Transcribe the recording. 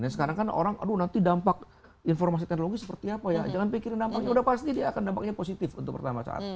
sekarang kan orang aduh nanti dampak informasi teknologi seperti apa ya jangan pikirin dampaknya udah pasti dia akan dampaknya positif untuk pertama saat